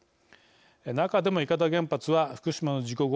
中でも伊方原発は福島の事故後